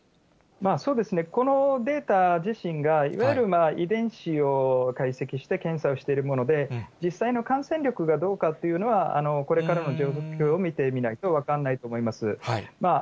このデータ自身が、いわゆる遺伝子を解析して、検査をしているもので、実際の感染力がどうかというのは、これからの状況を見てみないと分からないと思います。